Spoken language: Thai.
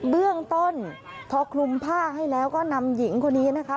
เบื้องต้นพอคลุมผ้าให้แล้วก็นำหญิงคนนี้นะคะ